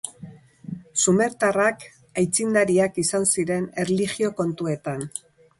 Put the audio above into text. Sumertarrak aitzindariak izan ziren erlijio kontuetan.